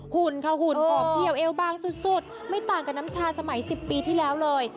หุ่นค่ะหุ่นออกเดี่ยวเอวบางสุดไม่ต่างกับน้ำชาสมัย๑๐ปีที่แล้วเลย